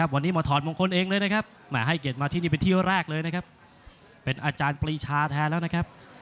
วันนี้หมอถอนมงคลเองเลยให้เกียรติมาที่นี่เป็นที่แรก